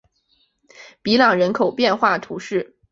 比朗人口变化图示